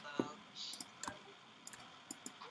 jacob zuma alitishwa kumwondolewa madarakani kwa kura ya maoni